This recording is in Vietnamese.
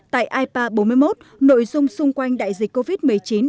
tại ipa bốn mươi một nội dung xung quanh đại dịch covid một mươi chín được phát triển